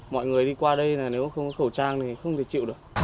mọi người đi qua đây là nếu không có khẩu trang thì không thể chịu được